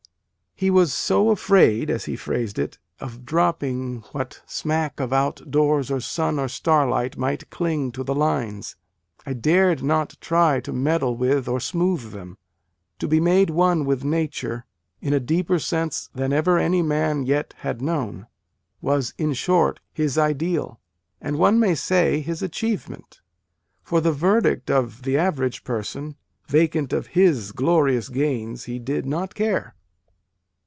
He was "so afraid," as he phrased it, " of drop ping what smack of outdoors or sun or starlight might cling to the lines I dared not try to meddle with or smooth them." To be " made one with Nature," in a deeper sense than ever any man yet had known, was, in short, his ideal, and, one may say, his achievement. For the verdict of the average person, vacant of his glorious gains, he did not care.